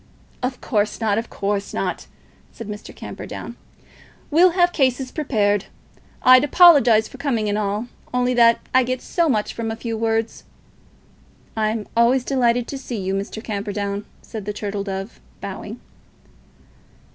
"Of course not; of course not," said Mr. Camperdown. "We'll have cases prepared. I'd apologise for coming at all, only that I get so much from a few words." "I'm always delighted to see you, Mr. Camperdown," said the Turtle Dove, bowing.